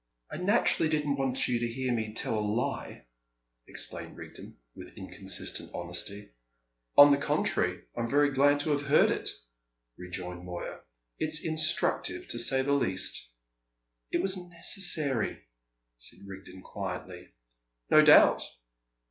"I naturally didn't want you to hear me tell a lie," explained Rigden, with inconsistent honesty. "On the contrary, I'm very glad to have heard it," rejoined Moya. "It's instructive, to say the least." "It was necessary," said Rigden quietly. "No doubt!"